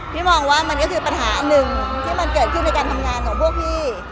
พี่มองว่ามันก็คือปัญหาอันหนึ่งที่มันเกิดขึ้นในการทำงานของพวกพี่